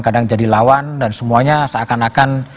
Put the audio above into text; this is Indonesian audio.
kadang jadi lawan dan semuanya seakan akan